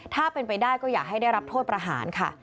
ถ้าเป็นไปได้ก็อยากให้ได้รับโทษประหารค่ะ